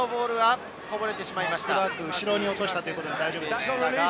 後ろに落としたということで大丈夫ですね。